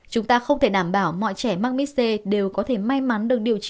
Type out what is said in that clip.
chúng ta không thể đảm bảo mọi trẻ mắc mis c đều có thể may mắn